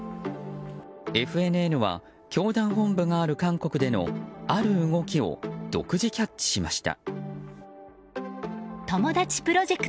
ＦＮＮは教団本部がある韓国でのある動きを独自キャッチしました。